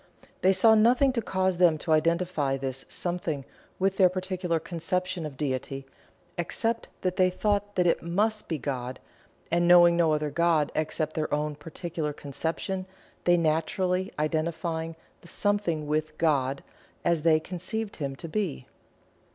They saw nothing to cause them to identify this Something with their particular conception of Deity, except that they thought that "it must be God," and knowing no other God except their own particular conception, they naturally identifying the Something with "God" as they conceived Him to be.